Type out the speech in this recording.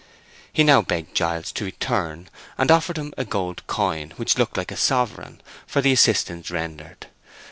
He now begged Giles to return, and offered him a gold coin, which looked like a sovereign, for the assistance rendered.